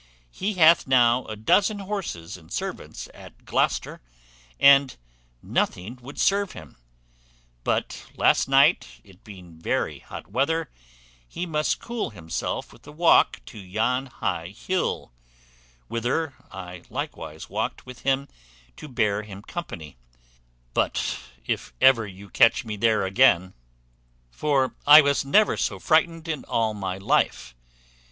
He hath now a dozen horses and servants at Gloucester; and nothing would serve him, but last night, it being very hot weather, he must cool himself with a walk to yon high hill, whither I likewise walked with him to bear him company; but if ever you catch me there again: for I was never so frightened in all my life.